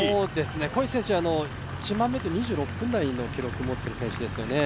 コエチ選手、１００００ｍ２６分台の記録を持っている選手ですよね。